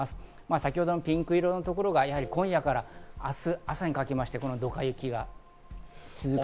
先ほどのピンク色のところは今夜から明日朝にかけまして、このドカ雪が続く。